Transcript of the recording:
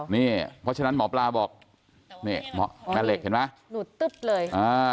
นี่เพราะฉะนั้นหมอปลาบอกนี่แม่เหล็กเห็นไหม